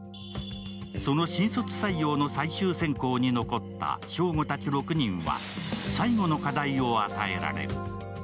その新卒採用の最終選考に残った祥吾たち６人は、最後の課題を与えられる。